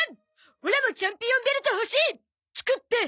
オラもチャンピオンベルト欲しい！作って！